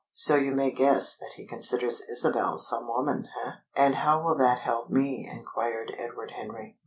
So you may guess that he considers Isabel some woman, eh?" "And how will that help me?" inquired Edward Henry.